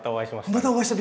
またお会いした。